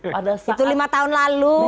pada saat itu lima tahun lalu